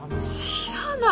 知らない。